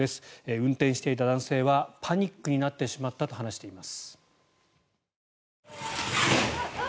運転していた男性はパニックになってしまったと話しています。